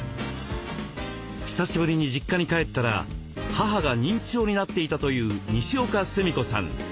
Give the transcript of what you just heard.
久しぶりに実家に帰ったら母が認知症になっていたというにしおかすみこさん。